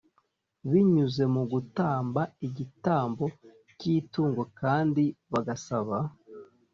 Binyuze mu gutamba igitambo cy itungo kandi bagasaba